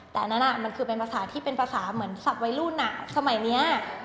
แต่นั่นอ่ะมันคือเป็นภาษาที่เป็นภาษาเหมือนสับไว้รุ่นอ่ะสมัยเนี้ย